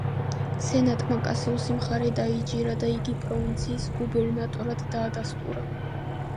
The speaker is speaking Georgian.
სენატმა კასიუსი მხარე დაიჭირა და იგი პროვინციის გუბერნატორად დაადასტურა.